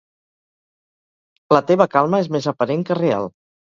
La teva calma és més aparent que real.